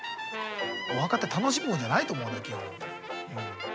お墓って楽しむもんじゃないと思うよ基本。